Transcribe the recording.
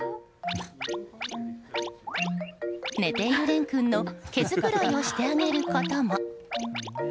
寝ている蓮君の毛づくろいをしてあげることも。